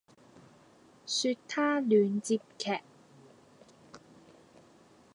說他亂接劇